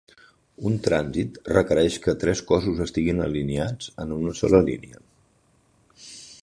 Un trànsit requereix que tres cossos estiguin alineats en una sola línia.